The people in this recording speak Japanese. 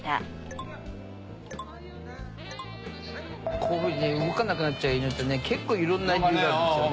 こういうふうにね動かなくなっちゃう犬ってね結構色んな理由があるんですよね。